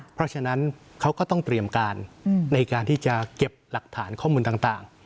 เพราะฉะนั้นเขาก็ต้องเตรียมการในการที่จะเก็บหลักฐานข้อมูลต่าง